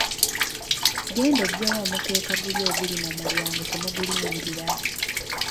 Genda oggyewo omukeeka guli oguli mu mulyango temugulinnyirira.